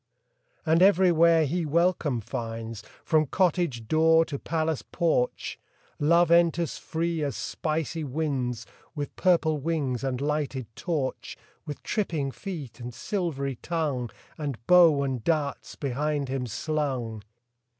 And everywhere he welcome finds, From cottage door to palace porch Love enters free as spicy winds, With purple wings and lighted torch, With tripping feet and silvery tongue, And bow and darts behind him slung.